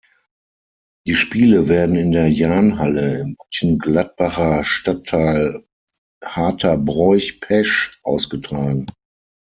Die Spiele werden in der Jahnhalle im Mönchengladbacher Stadtteil Hardterbroich-Pesch ausgetragen.